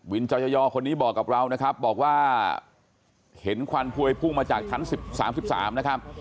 จอยอคนนี้บอกกับเรานะครับบอกว่าเห็นควันพวยพุ่งมาจากชั้น๑๓๑๓นะครับ